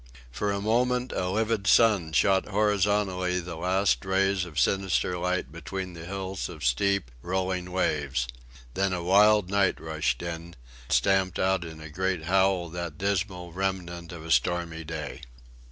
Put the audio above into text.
For a moment a livid sun shot horizontally the last rays of sinister light between the hills of steep, rolling waves. Then a wild night rushed in stamped out in a great howl that dismal remnant of a stormy day.